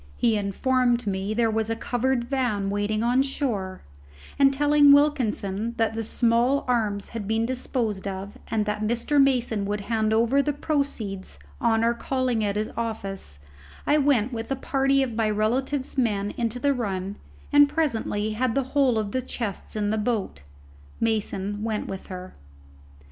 He informed me that there was a covered van waiting on shore; and telling Wilkinson that the small arms had been disposed of, and that Mr. Mason would hand over the proceeds on our calling at his office, I went with a party of my relative's men into the run and presently had the whole of the chests in the boat. Mason went with her.